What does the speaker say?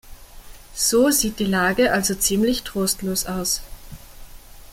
So sieht die Lage also ziemlich trostlos aus.